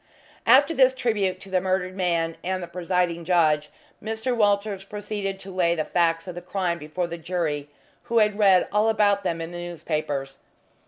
After this tribute to the murdered man and the presiding judge, Mr. Walters proceeded to lay the facts of the crime before the jury, who had read all about them in the newspapers.